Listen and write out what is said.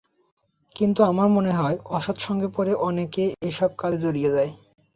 কিন্তু আমার মনে হয়, অসৎ সঙ্গে পড়ে অনেকে এসব কাজে জড়িয়ে যায়।